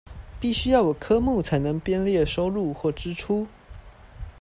必須要有科目才能編列收入或支出